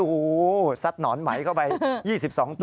โอ้โหซัดหนอนไหมเข้าไป๒๒ตัว